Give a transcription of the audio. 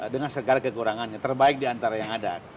dengan segala kekurangannya terbaik di antara yang ada